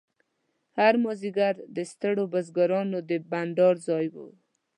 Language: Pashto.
هر مازیګر د ستړو بزګرانو د بنډار ځای و.